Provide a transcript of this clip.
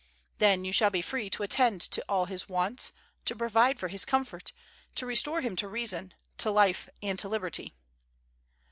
Then you shall be free to attend to all his wants, to provide for his comfort, to restore him to reason, to life and to liberty."